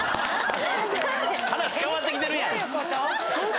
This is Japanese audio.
話変わってきてるやん！